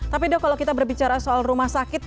tapi dok kalau kita berbicara soal rumah sakit